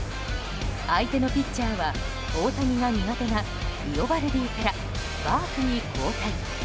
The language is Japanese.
相手のピッチャーは大谷の苦手なイオバルディからバークに交代。